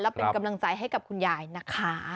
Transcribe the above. เป็นกำลังใจให้กับคุณยายนะคะ